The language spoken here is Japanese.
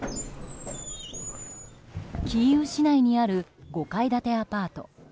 キーウ市内にある５階建てアパート。